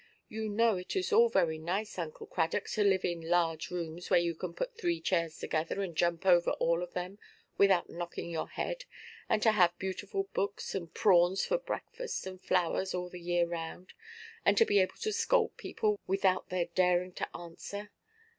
You know it is all very nice, Uncle Cradock, to live in large rooms, where you can put three chairs together, and jump over them all without knocking your head, and to have beautiful books, and prawns for breakfast, and flowers all the year round; and to be able to scold people without their daring to answer.